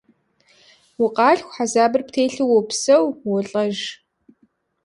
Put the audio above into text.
Укъалъху, хьэзабыр птелъу уопсэу, уолӏэж.